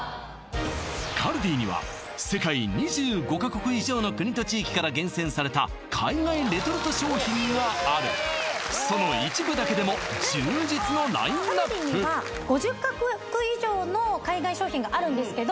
カルディには世界２５か国以上の国と地域から厳選された海外レトルト商品があるそのカルディには５０か国以上の海外商品があるんですけど